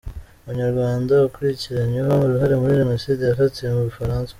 Umunyarwanda ukurikiranyweho uruhare muri Jenoside yafatiwe mu Bufaransa